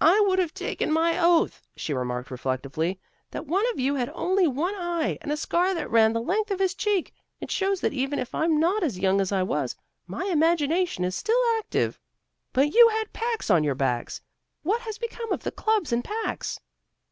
"I would have taken my oath," she remarked reflectively, "that one of you had only one eye, and a scar that ran the length of his cheek. It shows that even if I'm not as young as I was, my imagination is still active. But you had packs on your backs. What has become of the clubs and packs?"